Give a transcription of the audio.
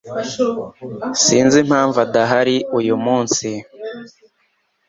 Sinzi impamvu adahari uyu munsi